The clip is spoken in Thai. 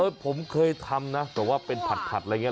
ผมเคยทำนะแต่ว่าเป็นผัดอะไรอย่างนี้